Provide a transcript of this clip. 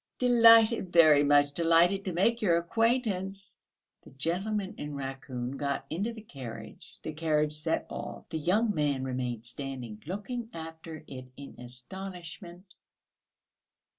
"Delighted, very much delighted to make your acquaintance!..." The gentleman in raccoon got into the carriage, the carriage set off, the young man remained standing looking after it in astonishment.